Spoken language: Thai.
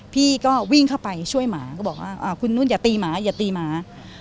พี่ก็วิ่งเข้าไปช่วยหมาก็บอกว่าคุณนุ่นอย่าตีหมาอย่าตีหมา